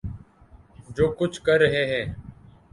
جو کچھ کر رہے ہیں۔